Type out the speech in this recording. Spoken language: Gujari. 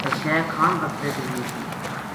کائے شے کھان واسطے بھی نیہہ تھی